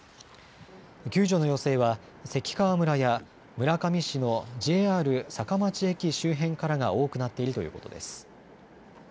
救助の要請は、関川村や、村上市のＪＲ坂町駅周辺からが多くなっているということです。